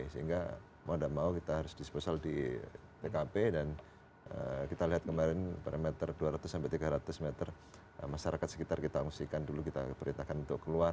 sehingga mau tidak mau kita harus disposal di tkp dan kita lihat kemarin parameter dua ratus sampai tiga ratus meter masyarakat sekitar kita ongsikan dulu kita beritakan untuk keluar